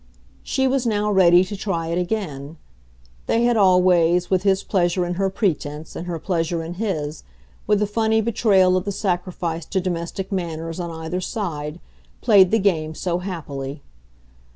She was now ready to try it again: they had always, with his pleasure in her pretence and her pleasure in his, with the funny betrayal of the sacrifice to domestic manners on either side, played the game so happily.